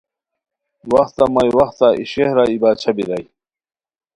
وختہ مائی وختہ ای شہرا ای باچھا بیرائے